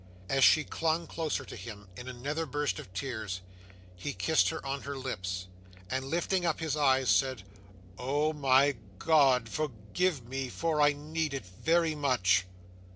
As she clung closer to him, in another burst of tears, he kissed her on her lips, and, lifting up his eyes, said, "Oh my God, forgive me, for I need it very much!"